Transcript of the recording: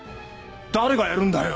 誰がやるんだよ！